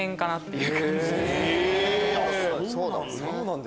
へぇそうなんだ！